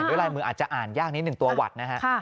ลายมืออาจจะอ่านยากนิดหนึ่งตัวหวัดนะฮะ